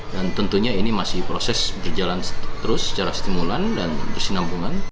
dan tentunya ini masih proses berjalan terus secara stimulan dan bersinabungan